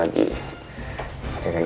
sekarang terbatas belum lagi